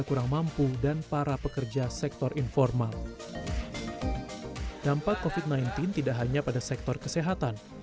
kurang mampu dan para pekerja sektor informal dampak kofit sembilan belas tidak hanya pada sektor kesehatan